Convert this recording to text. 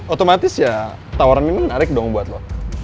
otomatis ya tawaran ini menarik dong buat lo